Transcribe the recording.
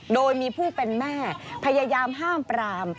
โดยมีผู้เป็นแม่พยายามห้ามปราม